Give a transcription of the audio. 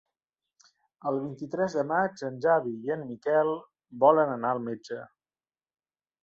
El vint-i-tres de maig en Xavi i en Miquel volen anar al metge.